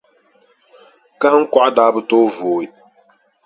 Kahiŋkɔɣu daa bi tooi vooi,